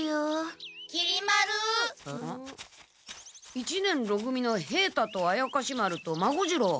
一年ろ組の平太と怪士丸と孫次郎。